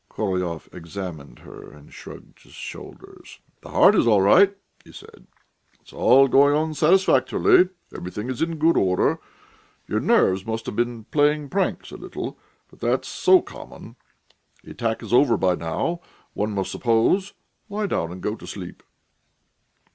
Korolyov examined her and shrugged his shoulders. "The heart is all right," he said; "it's all going on satisfactorily; everything is in good order. Your nerves must have been playing pranks a little, but that's so common. The attack is over by now, one must suppose; lie down and go to sleep."